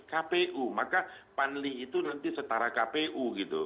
kpu maka panlih itu nanti setara kpu gitu